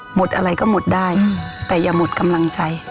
หมดอะไรก็หมดได้แต่อย่าหมดกำลังใจ